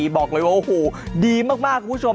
บอกเลยว่าโอ้โหดีมากคุณผู้ชม